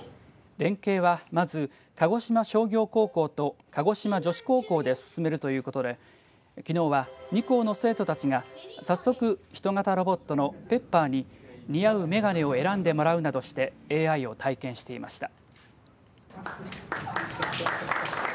連携は、まず鹿児島商業高校と鹿児島女子高校で進めるということできのうは、２校の生徒たちが早速、ヒト型ロボットのＰｅｐｐｅｒに似合う眼鏡を選んでもらうなどしてＡＩを体験していました。